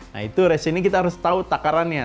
nah itu resinnya kita harus tahu takarannya